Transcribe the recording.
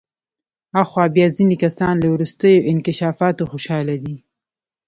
آخوا بیا ځینې کسان له وروستیو انکشافاتو خوشحاله دي.